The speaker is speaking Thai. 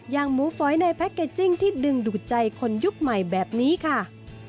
หมูฝอยในแพ็กเกจจิ้งที่ดึงดูดใจคนยุคใหม่แบบนี้ค่ะ